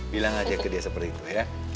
bilang aja ke dia seperti itu ya